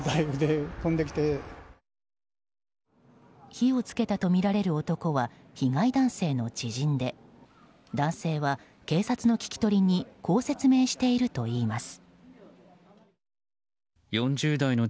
火を付けたとみられる男は被害男性の知人で男性は警察の聞き取りにこう説明しているといいます。